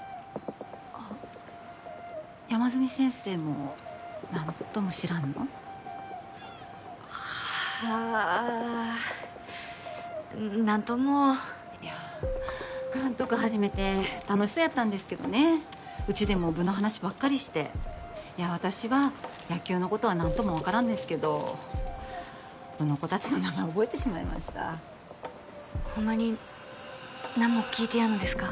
あっ山住先生も何とも知らんの？はあ何ともいやあ監督始めて楽しそうやったんですけどねうちでも部の話ばっかりしていや私は野球のことは何とも分からんですけど部の子達の名前覚えてしまいましたほんまに何も聞いてやんのですか？